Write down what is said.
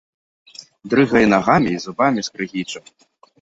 Дрыгае нагамі й зубамі скрыгіча.